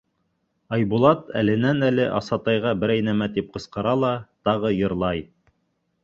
Айбулат әленән-әле Асатайға берәй нәмә тип ҡысҡыра ла тағы йырлай: